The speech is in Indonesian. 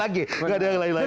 gak ada yang lain lagi